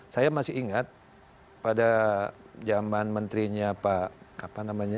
saya masih ingat pada zaman menterinya pak apa namanya